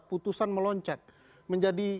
putusan meloncat menjadi